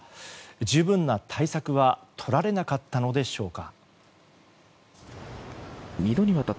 十分な対策は取られなかったのでしょうか。